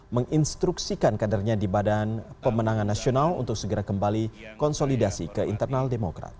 menginstruksikan kadernya di badan pemenangan nasional untuk segera kembali konsolidasi ke internal demokrat